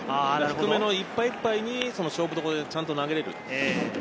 低めのいっぱいいっぱいに勝負どころでちゃんと投げれる。